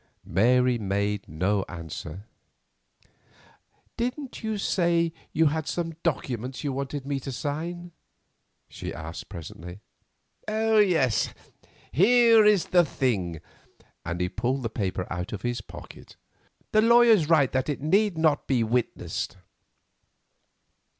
Mary made no answer. "Didn't you say you had some documents you wanted me to sign?" she asked presently. "Oh, yes; here is the thing," and he pulled a paper out of his pocket; "the lawyers write that it need not be witnessed."